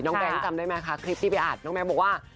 น้องแบงค์จำได้ไหมคะคลิปที่ไปอ่านน้องแบงค์บอกว่า